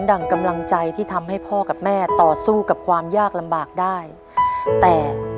ดั่งกำลังใจที่ทำให้พ่อกับแม่ต่อสู้กับความยากลำบากได้แต่